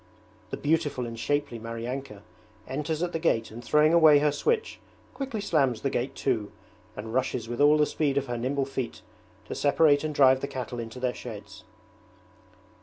The beautiful and shapely Maryanka enters at the gate and throwing away her switch quickly slams the gate to and rushes with all the speed of her nimble feet to separate and drive the cattle into their sheds.